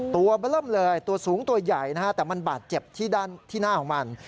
ตัวบล้ำเลยตัวสูงตัวใหญ่นะฮะแต่มันบาดเจ็บที่หน้าของมัน